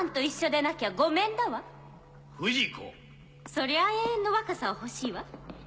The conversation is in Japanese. そりゃ永遠の若さは欲しいわ。